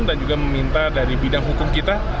dan juga meminta dari bidang hukum kita